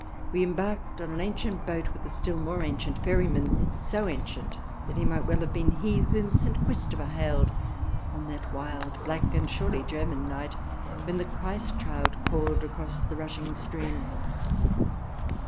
We embarked on an ancient boat, with a still more ancient ferryman — so ancient that he might well have been he whom St. Christopher hailed on that wild, black, and surely German night when the Christ Child called across the rushing stream.